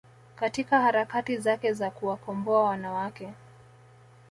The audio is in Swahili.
katika harakati zake za kuwakomboa wanawake